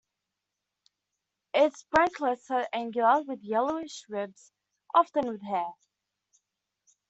Its branchlets are angular with yellowish ribs, often with hair.